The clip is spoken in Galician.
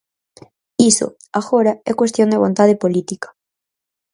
Iso, agora, é cuestión de vontade política.